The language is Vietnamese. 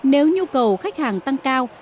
nếu nhu cầu khách hàng tăng cao